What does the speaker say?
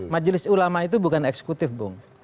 majelis ulama itu bukan eksekutif bung